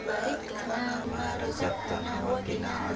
assalamu'alaikum warahmatullahi wabarakatuh